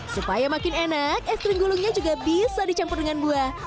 supaya makin enak es krim gulungnya juga bisa dicampur dengan buah